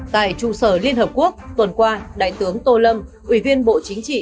tại trung sở liên hợp quốc tuần qua đại tướng tô lâm ủy viên bộ chính trị